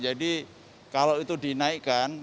jadi kalau itu dinaikkan